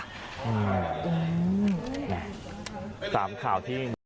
อืมตามข่าวที่